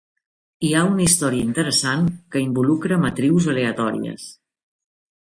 Hi ha una història interessant que involucra matrius aleatòries.